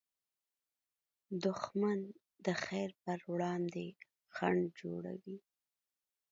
دښمن د خیر پر وړاندې خنډ جوړوي